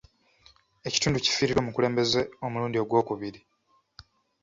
Ekitundu kifiiriddwa omukulembeze omulundi ogw'okubiri.